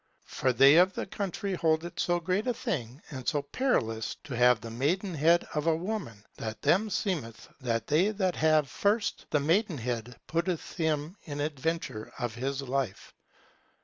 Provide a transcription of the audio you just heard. For they of the country hold it so great a thing and so perilous for to have the maidenhead of a woman, that them seemeth that they that have first the maidenhead putteth him in adventure of his life.